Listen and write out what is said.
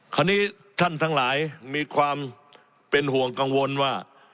ท่านทั้งหลายมีความเป็นห่วงกังวลว่า